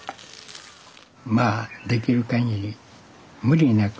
まあできるかぎり無理なく。